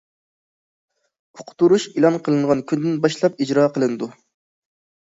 ئۇقتۇرۇش ئېلان قىلىنغان كۈندىن باشلاپ ئىجرا قىلىنىدۇ.